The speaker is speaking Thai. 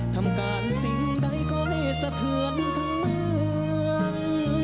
ทำการสิ่งใดก็ให้สะเทือนทั้งเมือง